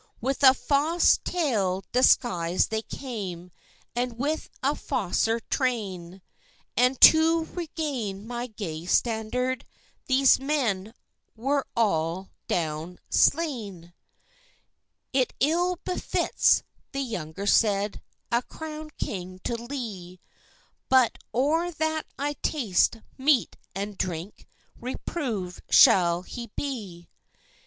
"With a fause tale, disguised they came, And with a fauser trayne; And to regain my gaye standard, These men where all down slayne." "It ill befits," the youngest said, "A crownèd king to lee; But, or that I taste meat and drink, Reprovèd shall he be."